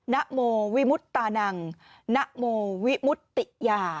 นโมวิมุตตานังนโมวิมุติยา